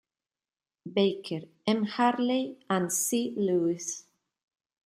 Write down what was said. Baker, M. Harley and C. Lewis.